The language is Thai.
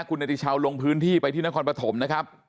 คุณเนติชาวลงพื้นที่ไปที่นครปฐมนะครับ